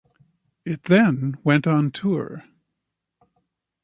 It then went on tour.